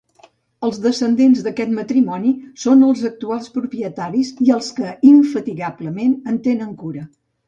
Els descendents d'aquest matrimoni són els actuals propietaris i els que infatigablement en tenen cura.